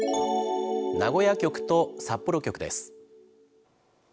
名古屋局と札幌局です。